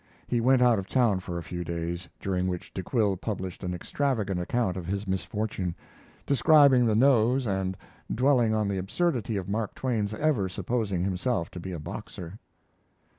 He went out of town for a few days, during which De Quille published an extravagant account of his misfortune, describing the nose and dwelling on the absurdity of Mark Twain's ever supposing himself to be a boxer.